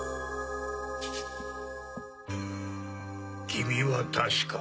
君は確か。